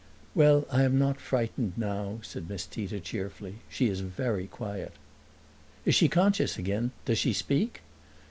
"Well, I am not frightened now," said Miss Tita cheerfully. "She is very quiet." "Is she conscious again does she speak?"